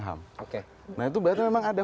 ham oke nah itu berarti memang ada